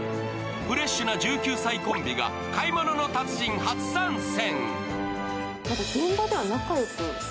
フレッシュな１９歳コンビが「買い物の達人」初参戦。